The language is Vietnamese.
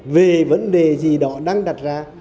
về vấn đề gì đó đang đặt ra